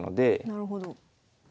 なるほど。